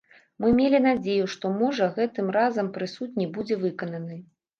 Мы мелі надзею, што, можа, гэтым разам прысуд не будзе выкананы.